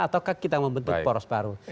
ataukah kita membentuk poros baru